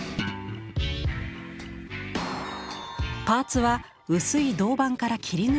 パーツは薄い銅板から切り抜いたもの。